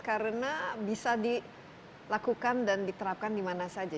karena bisa dilakukan dan diterapkan dimana saja